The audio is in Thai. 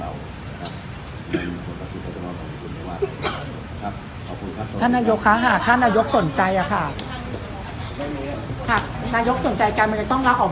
ท่านนโยคคะท่านนโยคสนใจค่ะค่ะนโยคสนใจกันมันก็ต้องลากออกจาก